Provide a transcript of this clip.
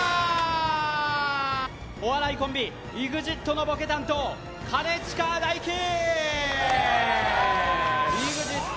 お笑いコンビＥＸＩＴのボケ担当ＥＸＩＴ